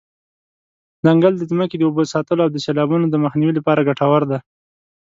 ځنګل د ځمکې د اوبو ساتلو او د سیلابونو د مخنیوي لپاره ګټور دی.